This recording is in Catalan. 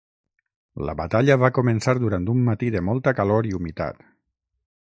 La batalla va començar durant un matí de molta calor i humitat.